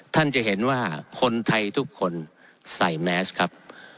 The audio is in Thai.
ท่านจะเห็นว่าคนไทยทุกคนใส่แมสครับ